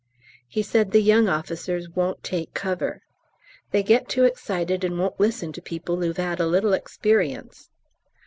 He said the young officers won't take cover "they get too excited and won't listen to people who've 'ad a little experience."